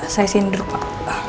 saya sindur pak